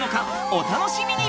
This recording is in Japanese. お楽しみに！